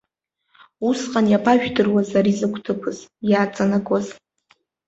Усҟан иабажәдыруаз ари закә ҭыԥыз, иаҵанакуаз.